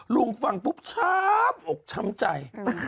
ลุงฟังปุ๊บช้ำอกช้ำใจ